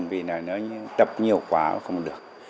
vì là nó tập nhiều quá không được